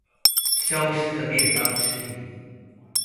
消失的便當之謎